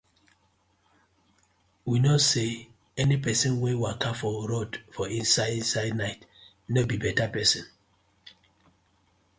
We kno say any pesin wey waka for road for inside inside night no bi beta pesin.